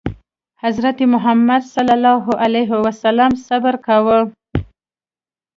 حضرت محمد ﷺ صبر کاوه.